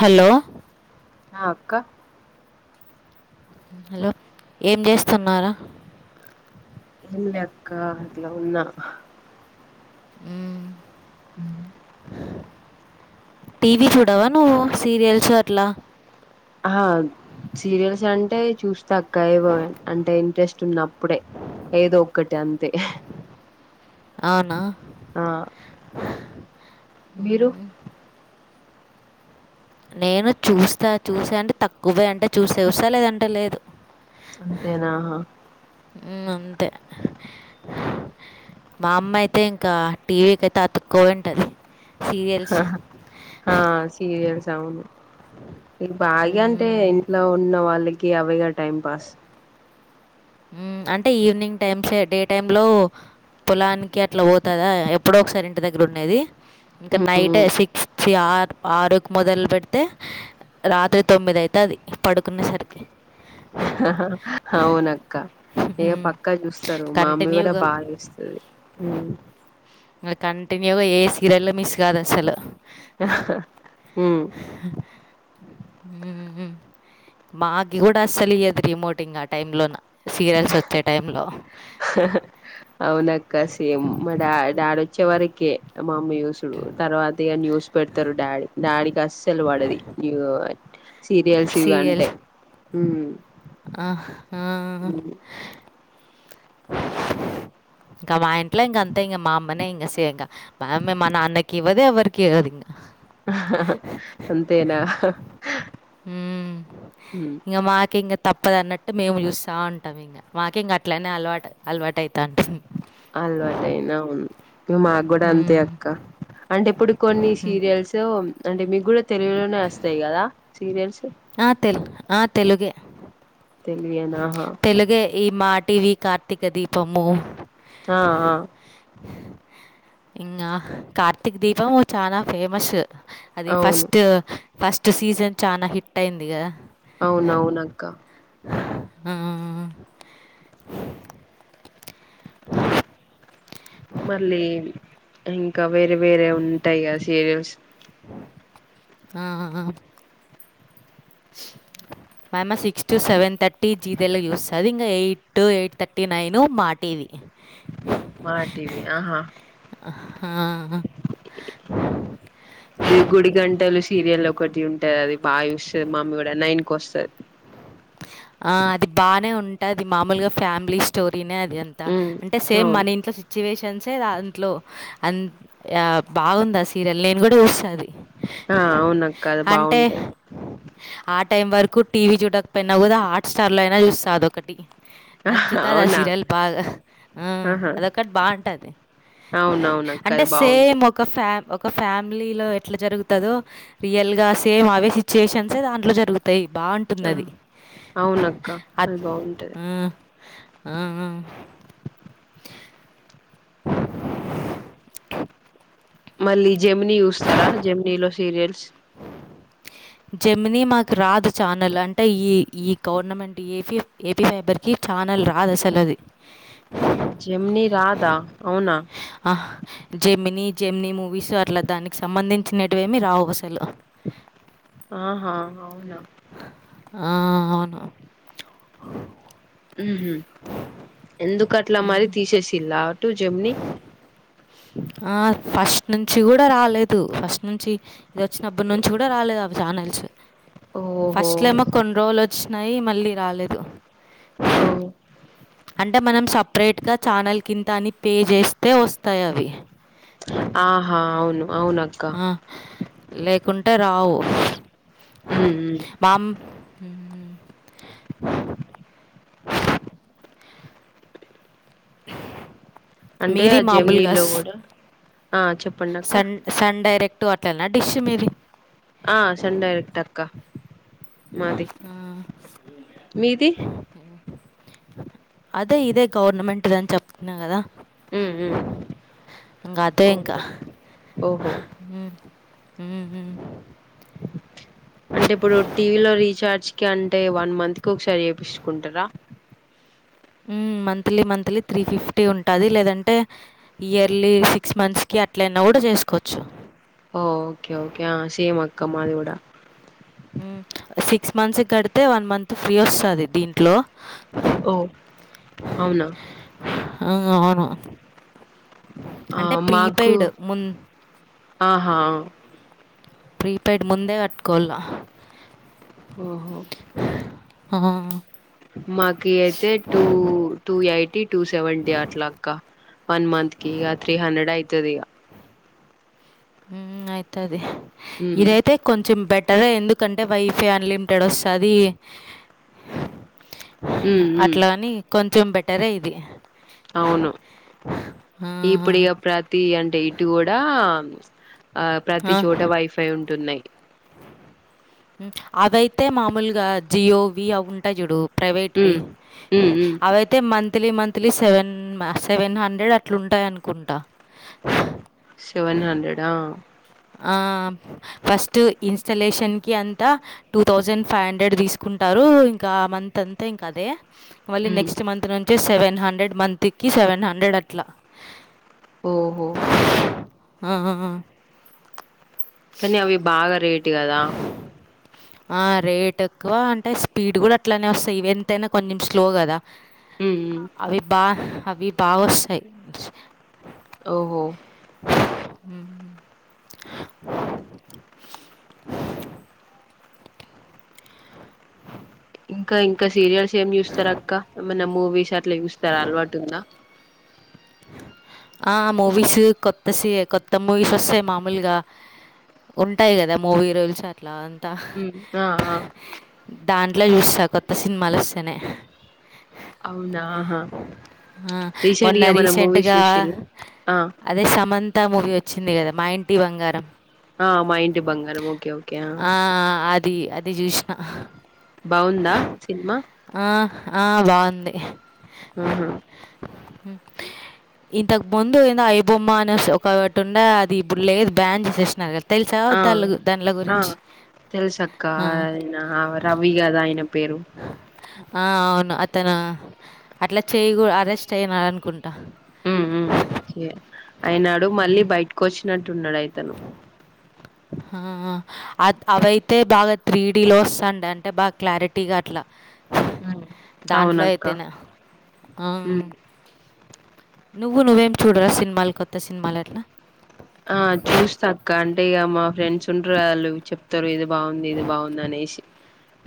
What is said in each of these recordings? Hello ఆ అక్క hello ఏం చేస్తున్నారా ఏం లెక్క అట్లా ఉన్నా ఉమ్మ్ టీవీ చూడావా నువ్వు సీరియల్స్ అట్లా హా సీరియల్స్ అంటే చూస్త అక్క ఏవో అంటే ఇంట్రెస్ట్ ఉన్నప్పుడే ఏదో ఒక్కటి అంతే అవునా ఆ మీరు నేను చూస్తా చూసా అంటే తక్కువే అంటే చూస్తే చూస్తా లేదంటే లేదు అంతే నా ఉం అంతే మా అమ్మ అయితే ఇంకా టీవీకి అయితే అతుక్కో ఉంటది అహా హా సీరియల్స్ అవును ఇది బాగ అంటే మ్మ్. ఇలా ఉన్న వాళ్ళకి అవేగా టైం పాస్ అంటే ఈవినింగ్ టైమ్స్ ఏ డే టైమ్ లో పొలానికి అట్లా పోతదా ఎప్పుడో ఒకసారి ఇంటి దగ్గర ఉండేది ఇంక నైటే ఉమ్, సిక్స్ చి ఆరు ఆరుకు మొదలు పెడితే రాత్రి తొమ్మిది అయితాది పడుకునే సరికి హహా అవునా ఇక అయ్యో హ్మ్. పక్కా చూస్తారు మా అమ్మీ కూడా కంటిన్యూగా బాగా చూస్తది మాక్ కంటిన్యూగా ఏ సీరియల్లు మిస్ కాదు అసలు ఉమ్మ్ ఉం ఉమ్మ్ మాకి కూడా అస్సలు ఇయదు రిమోటింగ్ ఆ టైమ్ లోన సీరియల్స్ వచ్చే టైం లో హహ అవునక్క సేమ్ మా డా డాడీ వచ్చే వరకే మమ్మీ చూస్ ఉం తర్వాత ఇక న్యూస్ పెడతారు డాడ్ డాడీకి అస్సలు పడది న్యూ సీరియల్స్ ఇవంటే ఊమ్ అహ్ హా ఇంక మా ఇంట్లో ఇంక అంతే ఇంక మా అమ్మనే ఇంక సేయక ఆమె మా నాన్నకి ఇవ్వదు ఎవరికి ఇవ్వదు హహా అంతేనా హా ఉమ్మ్ ఉమ్ ఇంక మాకు ఇంకా తప్పదన్నట్టు మేము చూస్తా ఉంటాం ఇంగ మాకేం గట్లా నా అలవాటు అలవాటు అయితాంది అలవాటు అయినా ఉంది మాగ్గూడా అంతే అక్క అంటే ఇప్పుడు కొన్ని సీరియల్స్ అంటే మీకు కూడా తెలుగులోనే వస్తాయి కదా సీరియల్స్ ఆ తెలు ఆ తెలుగే తెలుగేనా ఆహా తెలుగే ఈ మాటీవీ కార్తీక దీపము ఆ ఆ ఇంకా కార్తీక్ దీపము చాలా ఫేమస్సు అది అవును ఫస్ట్ ఫస్ట్ సీజన్ చానా హిట్ అయింది కదా అవునవునక్క ఆ ఆ ఆ ఆ మళ్ళీ ఇంకా వేరే వేరే ఉంటాయి కదా సీరియల్స్ ఆ ఆ ఆ మామ్మ సిక్స్ టు సెవెన్ థర్టీ జీతెలుగు చూస్తాది, ఇంకా ఎయిట్, ఎయిట్ థర్టీ, నైను మా టీవి మాటీవీ ఆహా అహ్హా ఇది గుడి గంటలు సీరియల్ ఒకటి ఉంటాది అది బాగా చూస్తది మమ్మీ కూడా నైన్కి వస్తది ఆ అది బానే ఉంటది మామూలుగా ఫ్యామిలీ స్టోరీనే అది అంతా ఉమ్ అంటే సేమ్ అవును మన ఇంట్లో సిచ్ సిచ్యువేషన్సే దాంట్లో అ బాగుంది ఆ సీరియల్ నేను కూడా చూస్తా అది ఆ అవునక్క అది అంటే బాగుంటది ఆ టైం వరకు టీవీ చూడకపోయినా కూడా హాట్ స్టార్ లో అయినా చూస్తా అది ఒకటి నచ్చుతాది ఆ అవునా సీరియల్ బాగా ఆ ఆహా అదొకటి బాగుంటాది అవునవునక్క అంటే అది సేమ్ బాగుంటది ఒక ఫా ఒకఫ్యామిలీలో ఎట్లా జరుగుతాదో రియల్ గా సేమ్ అవే సిచ్యుయేషన్సే దాంట్లో జరుగుతాయి బాగుంటుంది ఆ అది అవునక్క అది బాగుంటది ఉమ్మ్ మళ్ళీ జెమిని చూస్తారా జెమినీలో సీరియల్స్ జెమిని మాకు రాదు ఛానల్ అంటే ఈ ఈ గవర్నమెంట్ ఏపీ ఏపీ ఫైబర్ కి ఛానల్ రాదు అసలు అది జెమిని రాదా? అవునా? ఆహ్ జెమిని జెమిని మూవీస్ అట్లా దానికి సంబంధించినేటివి ఏమి రావు అసలు ఆహా అవునా ఆ అవును ఉహు ఎందుకు అట్లా మరి తీసేసిన్రా అటు జెమిని ఆ ఫస్ట్ నుంచి కూడా రాలేదు, ఫస్ట్ నుంచి ఇదొచ్చినప్పటి నుంచి గూడా రాలేదు అవి ఛానల్స్ ఓహో ఫస్ట్ లో ఏమో కొన్ని రోజులు వొచ్చినాయి మళ్ళీ రాలేదు ఓ అంటే మనం సపరేట్గా ఛానల్ కింత అని పే జేస్తే వస్తాయి అవి ఆహా అవును అవునక్క ఆ, లేకుంటే రావు ఉమ్ ఉమ్ మామ్ ఊహు అంటే మీది ఆ మామూలుగా జమినీల్లో స్- కూడా ఆ చెప్పండక్క సన్ సన్ డైరెక్టు అట్లనా డిష్ మీది ఆ సన్ డైరెక్ట్ ఏ అక్క మాది ఆ మీది అదే ఇదే గవర్నమెంట్దని చెప్తున్నా కదా ఊమ్ ఇంకా ఊమ్ ఓహో ఓహో ఉ ఊ ఊ అంటే ఇప్పుడు టీవీ లో రీచార్జ్ కి అంటే వన్ మంత్ కి ఒకసారి జేపిచుకుంటరా ఊమ్ మంత్లీ మంత్లీ త్రీ ఫిఫ్టీ ఉంటాది లేదంటే ఇయర్లీ సిక్స్ మంత్స్కి అట్లయినా గూడా జేసుకోవచ్చు ఓ ఓకే ఓకే ఆ సేమ్ అక్కా మాది కూడా సిక్స్ మంత్స్ కడితే వన్ మంత్ ఫ్రీ వస్తది దీంట్లో ఓ అవునా ఆ అవును ఆ అంటే మాకు ప్రీపెయిడ్ మున్ ఆహా ప్రీపెయిడ్ ముందే కట్టుకోవాల ఓహో ఆ మాకు అయితే two two eighty two seventy అట్లాక్క వన్ మంత్ కి ఇగ త్రీ హండ్రెడ్ అయితది ఇగ ఊమ్ అయితది ఉమ్ ఇదైతే కొంచెం బెటరే ఎందుకంటే వైఫై అన్లిమిటెడ్ వస్తది ఉమ్ ఉమ్ అట్లా అని కొంచెం బెటరే ఇది అవును ఆ! ఇప్పుడిగ ప్రతి అంటే ఇటు కూడా ఆ ప్రతి ఆ! చోట వైఫై ఉంటున్నాయ్ అవయితే మామూలుగా జియోవి అవుంటాయ్ జూడు ప్రైవేట్వి ఉమ్ ఉమ్ ఉమ్ అవైతే monthly monthly seven seven hundred అట్లుంటాయి అనుకుంటా సెవెన్ హండ్రెడ్ ఆ ఆ ఫస్ట్ ఇన్స్టలేషన్ కి అంతా టూ థౌజండ్ ఫైవ్ హండ్రెడ్ తీసుకుంటారు ఇంకా ఆ మంత్ అంతా ఇంకా అదే మళ్ళీ ఉమ్, నెక్స్ట్ మంత్ నుంచే సెవెన్ హండ్రెడ్ మంత్కి సెవెన్ హండ్రెడ్ అట్లా ఓహో ఆ ఆ ఆ కానీ అవి బాగా రేట్ గదా ఆ రేట్ ఎక్కువ అంటే స్పీడ్ కూడా అట్లానే వస్తాయి ఇవి ఎంతైనా కొంచెం స్లో కదా ఉమ్, ఉమ్, అవి బా అవి బాగొస్తాయ్ ఓహో హ ఇంకా ఇంకా సీరియల్స్ ఏమి చూస్తారు అక్క ఏమన్నా మూవీస్ అట్లా చూస్తారా అలవాటు ఉందా ఆ మూవీస్ కొత్త కొత్త మూవీస్ వస్తాయి మామూలుగా ఉంటాయి కదా మూవీ రూల్స్ అట్లా అంతా ఉమ్, ఆ ఆ దాంట్లో చూస్తా కొత్త సినిమాలు వస్తేనే అవునా ఆహా ఆ మొన్న రీసెంట్గా ఏమన్నా రీసెం మూవీస్ చెంటగా చూసిల్లా ఆ అదే సమంతా మూవీ వచ్చింది కదా మా ఇంటి బంగారం ఆ మా ఇంటి బంగారం ఓకే ఓకే అ ఆ అది అది చూసిన బాగుందా సినిమా ఆ ఆ బాగుంది ఆహా హ ఇంతకు ముందు ఏందో ఐ బొమ్మ అనే ఒకటి ఉండే అది ఇప్పు లేది బ్యాన్ చేసేసినారు కదా ఆ ఆ తెలుసక్క ఆ! ఆయన రవి కదా ఆయన పేరు ఆ అవును అతను అట్లా చేయ అరెస్ట్ అయినడు అనుకుంటా ఉం ఉ అయినాడు మళ్ళీ హ్మ్. బయటకు వచ్చినట్టున్నాడు అయితను ఆ హ అ అవయితే బాగా త్రీ డీలో వస్తుండి అంటే బాగా క్లారిటీగా అట్లా దాంట్లో అవునక్క అయితేనే అం నువ్వు నువ్వేం చూడరా సినిమాలు కొత్త సినిమాలు ఎట్లా ఆ చూస్తా అక్క అంటే ఇక మా ఫ్రెండ్స్ స్ఉంటారు వాళ్ళు చెప్తారు ఇది బాగుంది ఇది బాగుంది అనేసి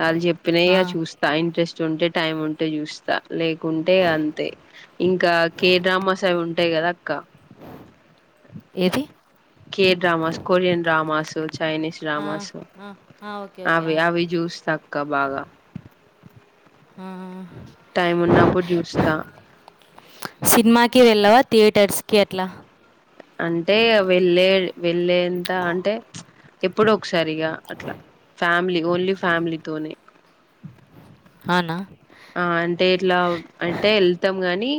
వాళ్ళు చెప్పిన ఆ! చూస్త టైమ్ ఇంట్రెస్ట్ ఉంటే టైం ఉంటే చూస్తా లేకుంటే ఇగ అంతే ఇంకా కే డ్రామాస్ అవి ఉంటాయి కదా అక్క ఏది K dramas Korean dramas Chinese ఆ! డ్రామాస్ ఆ! ఆ! ఓకే. ఓకే. అవి ఆ! అవి చూస్తా అక్క బాగా ఆ టైం ఉన్నప్పుడు చూస్తా సినిమాకి వెళ్ళవా థియేటర్స్ కి అట్లా అంటే వెళ్ళే వెళ్ళేంత అంటే ఎప్పుడు ఒకసారి ఇగా అట్లా ఫ్యామిలీ ఓన్లీ ఫ్యామిలీతోోనే హనా ఆ అంటే ఇట్లా అంటే వెళ్తాం గాని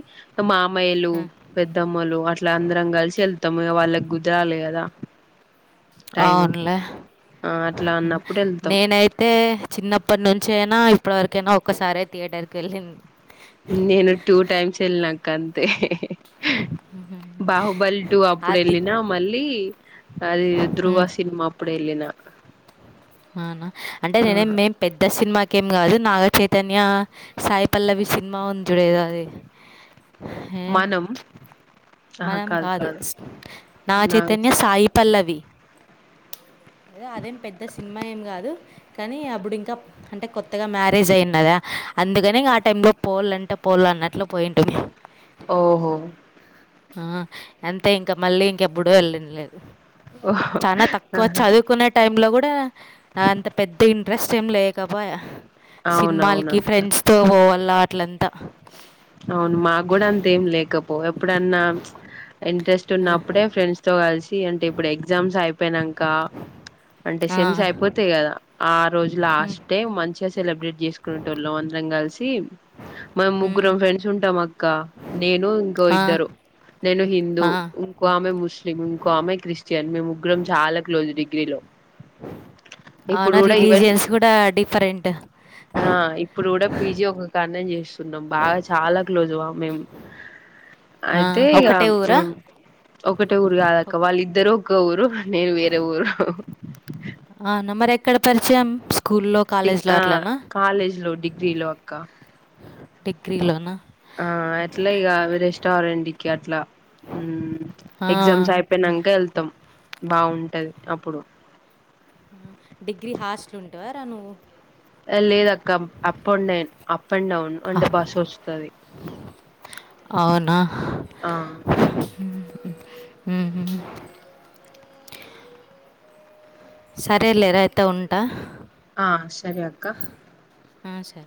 మా అమ్మాయిలు పెద్దమ్మలు అట్లా అందరం కలిసి వెళ్తాము ఇగా వాళ్ళకి కుదరాలి కదా టైము అవునులే ఆ అట్లా అన్నప్పుడు వెళ్తాం నేనైతే చిన్నప్పటి నుంచి అయినా ఇప్పటివరకైనా ఒక్కసారే థియేటర్కి వెళ్ళింది నేను టూ టైమ్స్ వెళ్ళినక్క అంతే హ్మ్. బాహుబలి టు అప్పుడు అది. వెళ్ళినా అమళ్ళీ అది ధృువ హ్మ్. సినిమా ఇప్పుడె వెళ్ళిన అవునా అంటే ఆ నేనేం మేం పెద్ద సినిమాకేం కాదు నాగచైతన్య సాయి పల్లవి సినిమా ఉంది చుడు దేఎదోఅది మనం మనం కాదు స్ నాగ చైతన్య నాగచైతన్య సాయి పల్లవి ఏదో అదేం పెద్ద సినిమా ఏం గాదు కనీ అబ్బుడింకా అంటే కొత్తగా మ్యారేజ్ అయిందదా అందుకనే ఇగ ఆ టైం లో పోవాల్లాంటే పోల్ల అన్నట్లు పోయింటుంది ఓహో ఆ అంతే ఇంక మళ్ళీ ఇంకా ఇంకెప్పుడూ వెళ్ళంది లేదు ఓహో చానా తక్కువ ఆహా చదువుకునేట్ టైం లో గూడా అంత పెద్ద ఇంట్రెస్ట్ ఏం లేకపాయ అవునవును సిన్మాలకిి అక్క ఫ్రెండ్స్ తో పోవల్లా అట్లెంతా అవును మాగ్గుడా అంతేం లేకపో ఎప్పుడన్నా ఇంట్రెస్ట్ ఉన్నప్పుడే ఫ్రెండ్స్ తో గలిసి అంటే ఇప్పుడు ఎగ్జామ్స్ అయిపోయినంతా అంటే సెమ్స్ అయిపోతయి గదా ఆ రోజు లాస్ట్ డే మంచిగ సెలబ్రేట్ జేసుకునేటోల్లం అందరం కలిసి మనం ముగ్గురం ఫ్రెండ్స్ ఉంటామక్క నేను ఇంకో ఇద్దరు నేను హిన్ దూ ఇంకో ఆమె ముస్లిం ఇంకో ఆమె క్రిస్టియన్ మేము ముగ్గురం చాలా క్లోజ్ డిగ్రీలో ఇప్పుడు అవునా కూడా ఈవెన్ రిలీజియన్స్ కూడ డిఫరెంట్ ఆ ఇప్పుడు గూడ పీజీ ఒకకాడ్నే చేస్తున్నము బాగ చాలా క్లోజ్ ఆ మేమ్ అయితే ఇగ ఒకటే ఊరా ఒకటె ఊరు కాదక్క వాళ్ళిద్దరు ఒక్క ఊరు నేను వేరే ఊరు అవున మరెక్కడ పరిచయం స్కూల్లో డిగ్ కాలేజ్లో ఆ అట్లనా కాలేజ్ లో డిగ్రీ లో అక్క డిగ్రీలోనా ఆ అట్ల ఇగ ఆవి రెస్టారెంటికి అట్లా ఉమ్ ఎగ్జామ్స్ అయిపోయినంక వెళ్తాం బాగుంటది అప్పుడు ఆ డిగ్రీ హాస్టల్ ఉంటవారా నువ్వు ఎ లేదక్క up and then up and down అంటే బస్ ఒస్తది అవునా ఆ ఉమ్ హు ఉమ్ హ్ సరే లేరా అయితే ఉంటా ఆ సరె అక్క ఆష